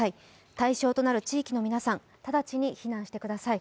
対象となる地域の皆さん、直ちに避難してください。